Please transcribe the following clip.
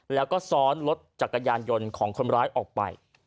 แล้วก็ซ้อนรถจักรยานยนต์ของคนร้ายออกไป